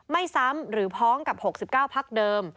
ไม่ซ้ำหรือพ้องกับ๖๙พักเดิม